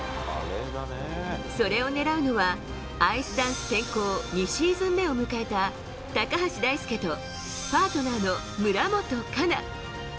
それを狙うのはアイスダンス転向２シーズン目を迎えた高橋大輔とパートナーの村元哉中。